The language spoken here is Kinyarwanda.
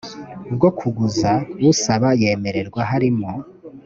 bwo kuguza usaba yemererwa harimo